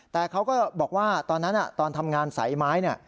แต่เขาก็บอกว่าตอนนั้นตอนทำงานสายไม้